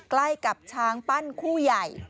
ใกล้กับช้างปั้นคู่ใหญ่